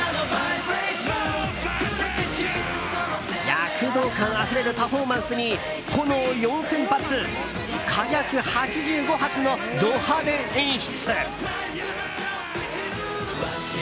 躍動感あふれるパフォーマンスに炎４０００発火薬８５発のド派手演出！